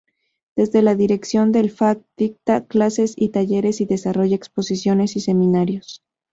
Desde la dirección del fac dicta clases y talleres y desarrolla exposiciones y seminarios.